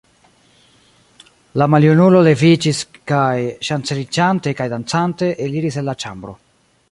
La maljunulo leviĝis kaj, ŝanceliĝante kaj dancante, eliris el la ĉambro.